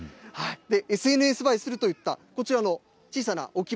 ＳＮＳ映えするといった、こちらの小さな置物。